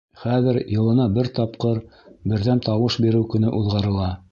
— Хәҙер йылына бер тапҡыр Берҙәм тауыш биреү көнө уҙғарыла.